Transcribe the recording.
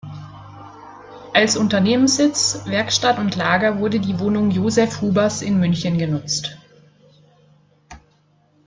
Als Unternehmenssitz, Werkstatt und Lager, wurde die Wohnung Josef Hubers in München genutzt.